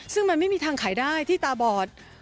ซึ่งมันไม่มีทางขายได้ที่ตาบอด